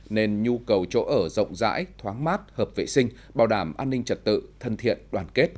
nên nhu cầu chỗ ở rộng rãi thoáng mát hợp vệ sinh bảo đảm an ninh trật tự thân thiện đoàn kết